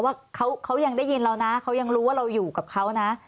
ว่าเขายังได้ยินเรานะเขายังรู้ว่าเราอยู่กับเขานะ